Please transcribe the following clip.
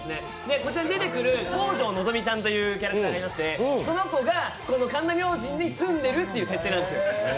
こちらに出てくるキャラクターがでいまして、その子が、神田明神に住んでるっていう設定なんです。